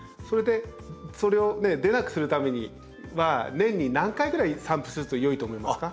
それを出なくするためには年に何回ぐらい散布すると良いと思いますか？